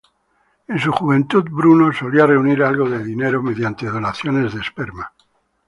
En su juventud, Bruno solía reunir algo de dinero mediante donaciones de esperma.